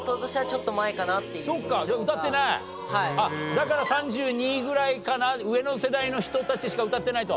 だから３２ぐらいかな上の世代の人たちしか歌ってないと。